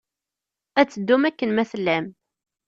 Ad teddum akken ma tellam